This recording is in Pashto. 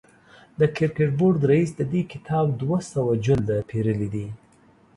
د کرکټ بورډ رئیس د دې کتاب دوه سوه جلده پېرلي دي.